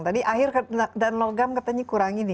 tadi air dan logam katanya kurang ini